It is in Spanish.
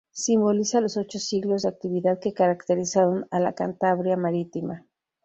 Simboliza los ocho siglos de actividad que caracterizaron a la Cantabria marítima.